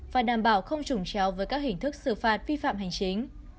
và đảm bảo không trùng chéo với các hình thức xử phạt vi phạm hành chính